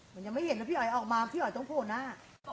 มันยังไม่เห็นนะพี่อ๋อยออกมาพี่อ๋อยต้องโผล่หน้า